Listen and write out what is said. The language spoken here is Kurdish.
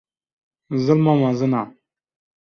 zilma mezin e.